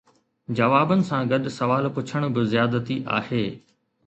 جوابن سان گڏ سوال پڇڻ به زيادتي آهي